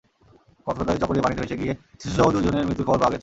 কক্সবাজারের চকরিয়ায় পানিতে ভেসে গিয়ে শিশুসহ দুজনের মৃত্যুর খবর পাওয়া গেছে।